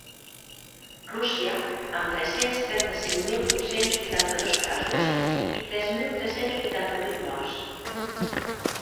Rússia, amb tres-cents trenta-cinc mil vuit-cents vuitanta-dos casos i tres mil tres-cents vuitanta-vuit morts.